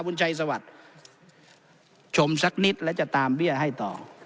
คุณชัยสวัสดิ์ชมสักนิดแล้วจะตามเบี้ยให้ต่อ